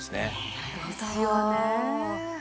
なるほど。ですよね。